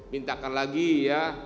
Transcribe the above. mintakan lagi ya